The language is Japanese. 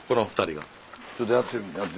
ちょっとやってみい。